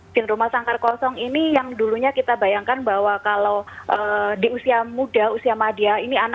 sindroma sangkar kosong ini yang dulunya kita bayangkan bahwa kalau di usia muda usia madia